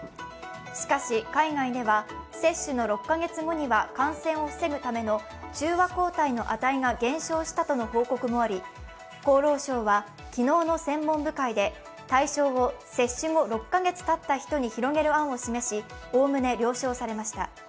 しかし、海外では接種の６カ月後には感染を防ぐための中和抗体の値が減少したとの報告もあり、厚労省は昨日の専門部会で対象を接種後６カ月たった人に広げる案を示し、おおむね了承されました。